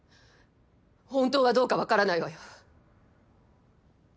本当はどうか分からないわよ。